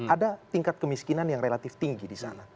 ada tingkat kemiskinan yang relatif tinggi di sana